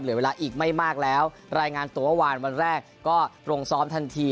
เหลือเวลาอีกไม่มากแล้วรายงานตัวเมื่อวานวันแรกก็ลงซ้อมทันที